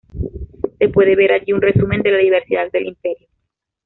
Se puede ver allí un resumen de la diversidad del imperio.